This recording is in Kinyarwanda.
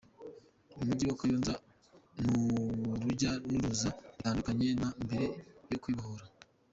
Umujyi wa Kayonza ni urujya n’uruza, bitandukanye na mbere yo kwibohora.